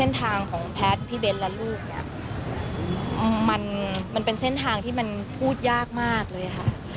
ทางของแพทย์พี่เบ้นและลูกเนี่ยมันเป็นเส้นทางที่มันพูดยากมากเลยค่ะ